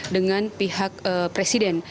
dengan pihak presiden